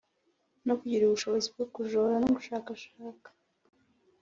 no kugira ubushobozi bwo kujora no gushakashaka